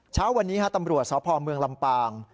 เช้าวันนี้ตำรวจสพเมืองลำปาง